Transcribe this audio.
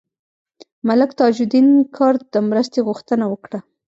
ملک تاج الدین کرد د مرستې غوښتنه وکړه.